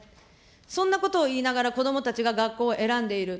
そんなことを言いながら、子どもたちが学校を選んでいる。